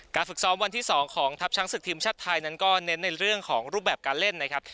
ฝึกซ้อมวันที่๒ของทัพช้างศึกทีมชาติไทยนั้นก็เน้นในเรื่องของรูปแบบการเล่นนะครับ